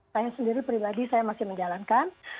saya sendiri pribadi saya masih menjalankan